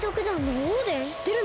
しってるの？